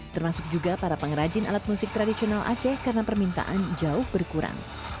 termasuk juga para pengrajin alat musik tradisional aceh karena permintaan jauh berkurang